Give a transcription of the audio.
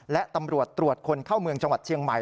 และตำรวจตรวจคนเข้าเมืองจังหวัดเชียงใหม่